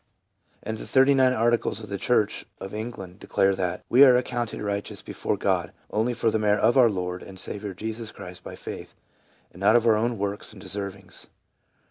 And the Thirty nine Articles of the church of England declare that, "We are accounted righteous before God, only for the merit of our Lord and Saviour Jesus Christ by faith, and not for our own works and deservings."